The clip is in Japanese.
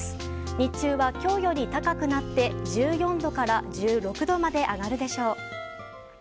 日中は今日より高くなって１４度から１６度まで上がるでしょう。